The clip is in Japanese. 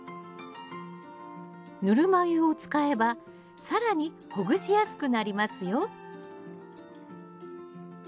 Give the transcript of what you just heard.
ぬるま湯を使えば更にほぐしやすくなりますよ